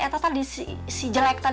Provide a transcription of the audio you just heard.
eta teh di si jelek teh